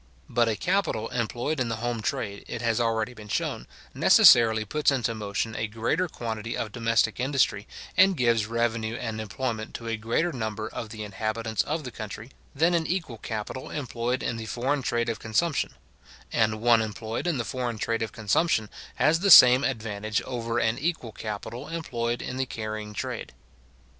But a capital employed in the home trade, it has already been shown, necessarily puts into motion a greater quantity of domestic industry, and gives revenue and employment to a greater number of the inhabitants of the country, than an equal capital employed in the foreign trade of consumption; and one employed in the foreign trade of consumption has the same advantage over an equal capital employed in the carrying trade.